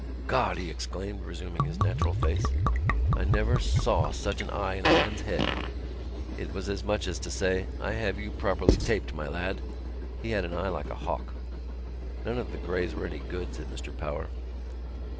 "God!" he exclaimed, resuming his natural face, "I never saw such an eye in a man's head. It was as much as to say: I have you properly taped, my lad. He had an eye like a hawk." "None of the Grays was any good," said Mr Power.